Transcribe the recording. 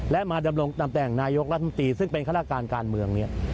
และมาดำลงตามแต่ของนายกรัฐมนตรีซึ่งเป็นฆาตการณ์การเมือง